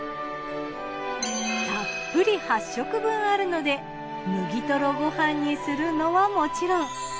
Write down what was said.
たっぷり８食分あるのでむぎとろごはんにするのはもちろん。